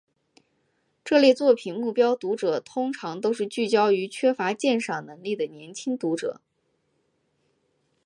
这类作品目标读者通常都是聚焦于缺乏鉴赏能力的年轻读者。